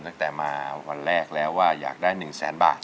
ตั้งแต่มาวันแรกแล้วว่าอยากได้๑แสนบาท